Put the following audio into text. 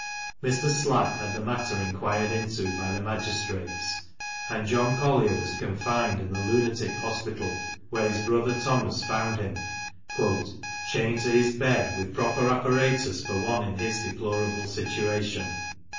Mr. Slack had the matter inquired into by the magistrates, and John Collier was confined in the lunatic hospital, where his brother Thomas found him "chained to his bed, with proper apparatus for one in his deplorable situation."